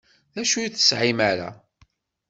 D acu ur tesɛim ara?